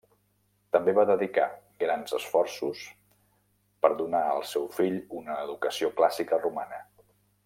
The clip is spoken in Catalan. També va dedicar grans esforços per donar al seu fill una educació clàssica romana.